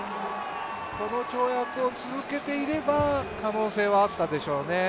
この跳躍を続けていれば可能性はあったでしょうね。